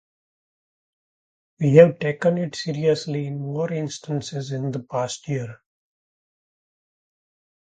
We've taken it seriously in more instances in the past year.